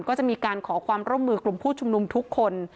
ก็จะมีการขอความร่วมมือกลุ่มผู้ชุมนุมทุกคน